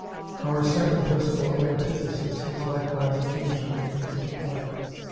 Our second principle of antithesis has likewise occasionally come into play.